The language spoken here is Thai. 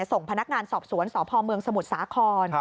ส่งพนักงานสอบสวนสพเมืองสมุทรสาคร